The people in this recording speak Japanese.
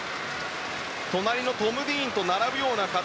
隣のトム・ディーンと並ぶような形。